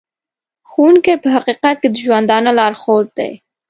ښوونکی په حقیقت کې د ژوندانه لارښود دی.